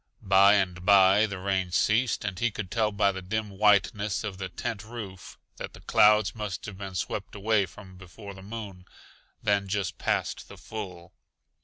By and by the rain ceased and he could tell by the dim whiteness of the tent roof that the clouds must have been swept away from before the moon, then just past the full.